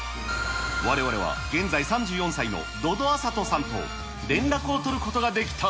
われわれは現在３４歳の百々麻人さんと連絡を取ることができた。